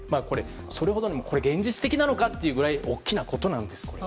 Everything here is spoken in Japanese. それほどに現実的なのかというぐらい大きなことなんです。